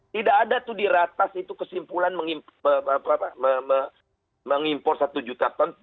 tidak ada tuh di ratas itu kesimpulan mengimpor satu juta ton